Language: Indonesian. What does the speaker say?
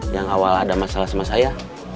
yang awal ada masalah sama saya